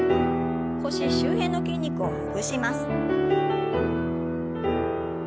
腰周辺の筋肉をほぐします。